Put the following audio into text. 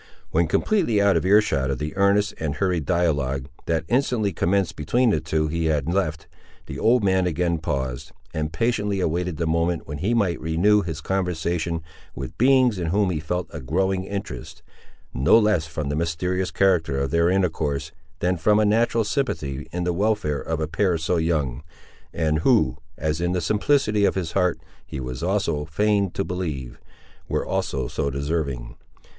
When completely out of ear shot of the earnest and hurried dialogue, that instantly commenced between the two he had left, the old man again paused, and patiently awaited the moment when he might renew his conversation with beings in whom he felt a growing interest, no less from the mysterious character of their intercourse, than from a natural sympathy in the welfare of a pair so young, and who, as in the simplicity of his heart he was also fain to believe, were also so deserving.